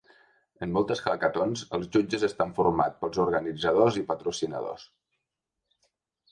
En moltes hackatons, els jutges estan formats pels organitzadors i patrocinadors.